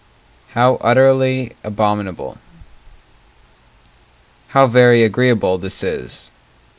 How utterly abominable How very agreeable this is!